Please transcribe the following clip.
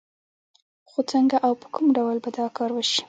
خو څنګه او په کوم ډول به دا کار وشي؟